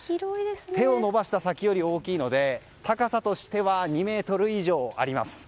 手を伸ばした先より大きいので高さは２ｍ以上あります。